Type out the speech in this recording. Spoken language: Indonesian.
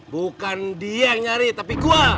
bukan dia yang nyari tapi gua